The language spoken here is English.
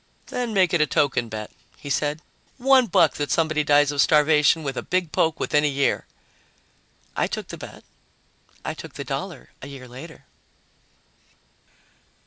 "Then make it a token bet," he said. "One buck that somebody dies of starvation with a big poke within a year." I took the bet. I took the dollar a year later.